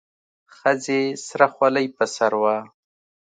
ښځې سره خولۍ په سر وه.